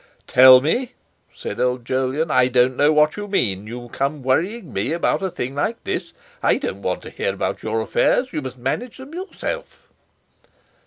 "Tell me!" said old Jolyon; "I don't know what you mean. You come worrying me about a thing like this. I don't want to hear about your affairs; you must manage them yourself!"